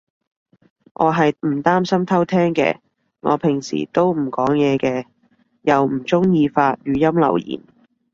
我係唔擔心偷聼嘅，我平時都唔講嘢嘅。又唔中意發語音留言